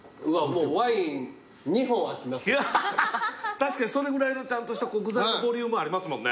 確かにそれぐらいのちゃんとした具材のボリュームありますもんね。